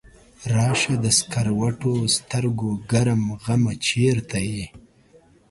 راشه د سکروټو سترګو ګرم غمه چرته یې؟